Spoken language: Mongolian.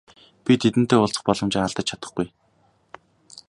Би тэдэнтэй уулзах боломжоо алдаж чадахгүй.